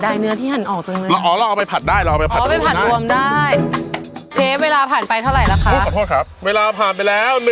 ดูมันง่ายใช่ไหม